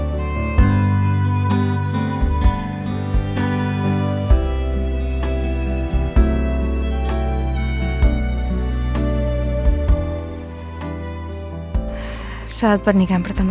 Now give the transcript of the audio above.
kapan saya pernah bercanda